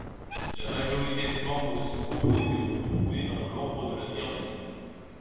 La majorité des membres de ce groupe ont été trouvés dans l'ambre de Birmanie.